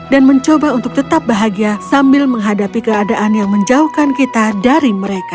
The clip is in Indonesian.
dan mencoba untuk tetap bahagia sambil menghadapi keadaan yang menjauhkan kita dari mereka